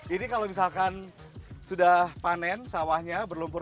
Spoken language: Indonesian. ini kalau misalkan sudah panen sawahnya berlumpur